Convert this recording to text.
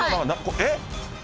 えっ？